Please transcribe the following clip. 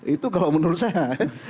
itu kalau menurut saya